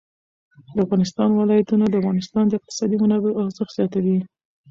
د افغانستان ولايتونه د افغانستان د اقتصادي منابعو ارزښت زیاتوي.